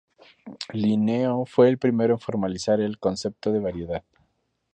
Linneo fue el primero en formalizar el concepto de variedad.